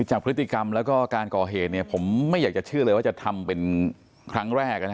จากพฤติกรรมแล้วก็การก่อเหตุผมไม่อยากจะเชื่อเลยว่าจะทำเป็นครั้งแรก